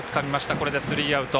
これでスリーアウト。